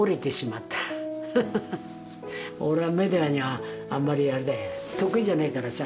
俺はメディアにはあまりあれだよ得意じゃないからさ。